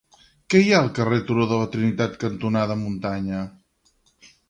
Què hi ha al carrer Turó de la Trinitat cantonada Muntanya?